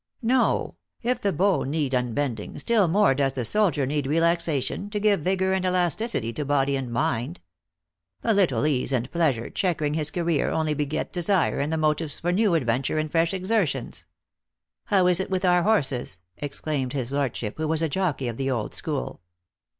No ; if the bow need unbending, still more does the soldier need relaxation, to give vigor and elasticity to body and mind. A little ease and plea sure chequering his career only beget desire and the motives for new adventure and fresh exertions. How is it with our horses," exclaimed his lordship, who was a jockey of the old school.